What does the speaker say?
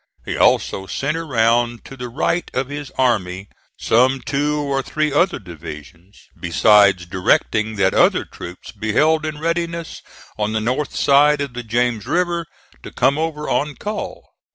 He also sent around to the right of his army some two or three other divisions, besides directing that other troops be held in readiness on the north side of the James River to come over on call.